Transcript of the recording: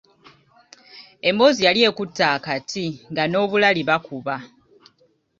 Emboozi yali ekutta akati nga n'obulali bakuba.